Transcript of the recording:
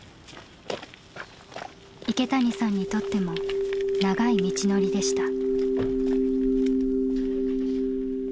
池谷さんにとっても長い道のりでした。